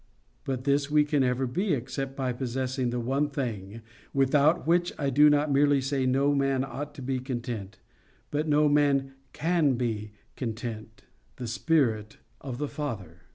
But this we can never be except by possessing the one thing, without which I do not merely say no man ought to be content, but no man CAN be content—the Spirit of the Father.